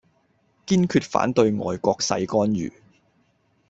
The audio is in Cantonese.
堅決反對外國勢干預